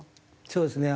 そうですね。